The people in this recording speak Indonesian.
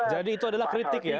jadi itu adalah kritik ya